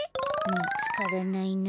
みつからないな。